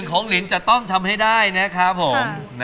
ของลินจะต้องทำให้ได้นะครับผม